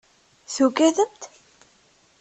Tugademt?